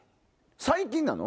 最近なの？